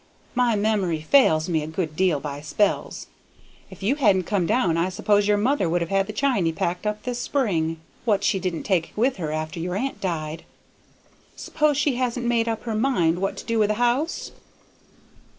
My memory fails me a good deal by spells. If you hadn't come down I suppose your mother would have had the chiny packed up this spring, what she didn't take with her after your aunt died. S'pose she hasn't made up her mind what to do with the house?"